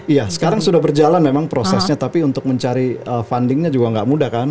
iya sekarang sudah berjalan memang prosesnya tapi untuk mencari fundingnya juga nggak mudah kan